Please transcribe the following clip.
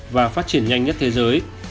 và phát triển nhanh nhất thế giới